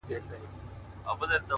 ورځيني ليري گرځــم ليــري گــرځــــم”